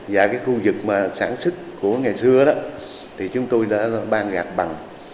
và khu vực sản xuất của ngày xưa thì chúng tôi đã ban gạt bằng